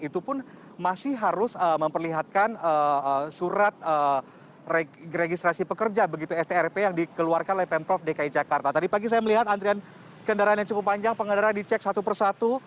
tadi saya melihat antrian kendaraan yang cukup panjang pengendaraan dicek satu persatu